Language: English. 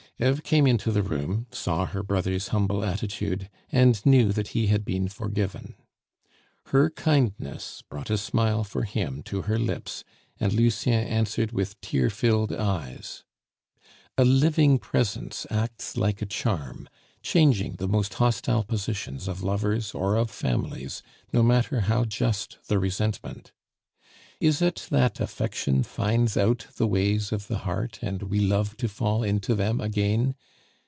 Eve came into the room, saw her brother's humble attitude, and knew that he had been forgiven. Her kindness brought a smile for him to her lips, and Lucien answered with tear filled eyes. A living presence acts like a charm, changing the most hostile positions of lovers or of families, no matter how just the resentment. Is it that affection finds out the ways of the heart, and we love to fall into them again?